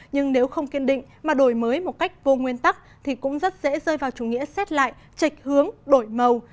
nhưng nếu không kiên định mà đổi mới một cách vô nguyên tắc thì cũng rất dễ rơi vào chủ nghĩa xét lại trịch hướng đổi màu